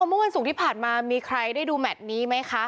เมื่อวันศุกร์ที่ผ่านมามีใครได้ดูแมทนี้ไหมคะ